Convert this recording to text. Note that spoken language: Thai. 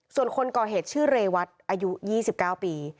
ส่วนคนก่อเหตุชื่อเรวัตอายุ๒๙ปี